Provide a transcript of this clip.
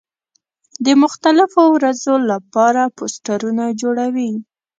د مختلفو ورځو له پاره پوسټرونه جوړوي.